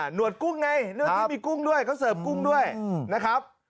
หวดกุ้งไงเนื้อที่มีกุ้งด้วยเขาเสิร์ฟกุ้งด้วยนะครับ